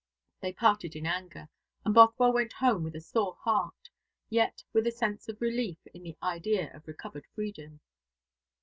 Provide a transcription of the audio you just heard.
They parted in anger, and Bothwell went home with a sore heart, yet with a sense of relief in the idea of recovered freedom.